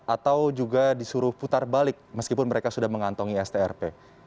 atau juga disuruh putar balik meskipun mereka sudah mengantongi strp